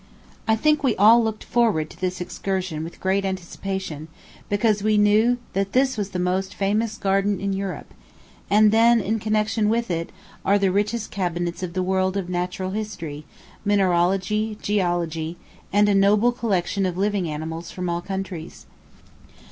I think we all looked forward to this excursion with great anticipation, because we knew that this was the most famous garden in Europe; and then, in connection with it, are the richest cabinets in the world of natural history, mineralogy, geology, and a noble collection of living animals from all countries.